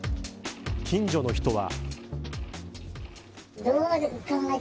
近所の人は。